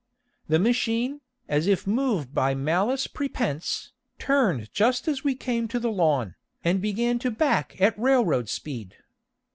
The machine, as if moved by malice prépense, turned just as we came to the lawn, and began to back at railroad speed.